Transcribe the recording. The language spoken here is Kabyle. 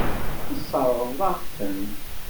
Tesseṛɣeḍ-aɣ-ten.